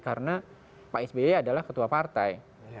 karena pak sbi adalah ketua partai